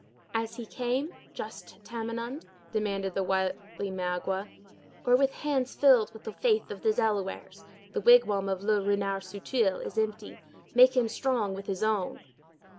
"As he came, just Tamenund," demanded the wily Magua, "or with hands filled with the faith of the Delawares? The wigwam of Le Renard Subtil is empty. Make him strong with his own."